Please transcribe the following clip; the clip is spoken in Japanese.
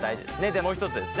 でもう一つですね